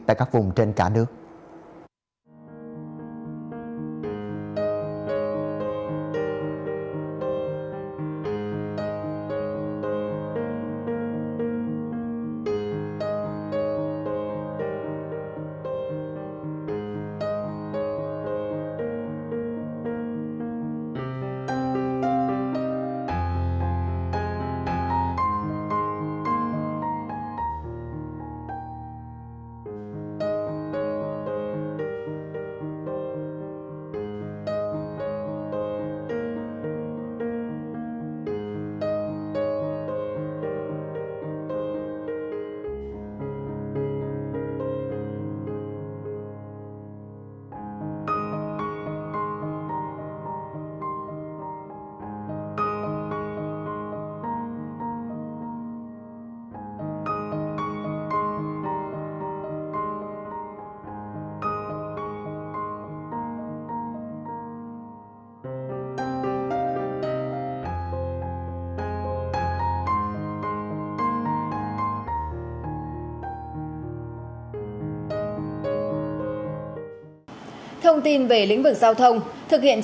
tại các vùng trên cả nước